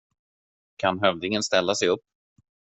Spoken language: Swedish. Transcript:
Kan hövdingen ställa sig upp?